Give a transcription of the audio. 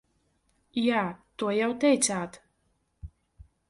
Jā, to jau teicāt.